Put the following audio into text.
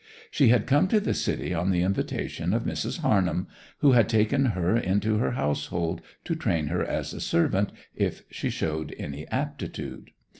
She had come to the city on the invitation of Mrs. Harnham, who had taken her into her household to train her as a servant, if she showed any aptitude.